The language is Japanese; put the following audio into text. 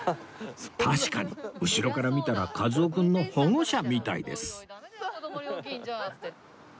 確かに後ろから見たら和夫君の保護者みたいです